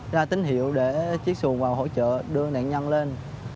ra tín hiệu để chiếc xuồng vào hỗ trợ đưa nạn nhân lên